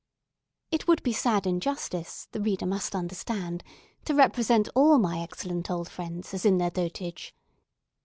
It would be sad injustice, the reader must understand, to represent all my excellent old friends as in their dotage.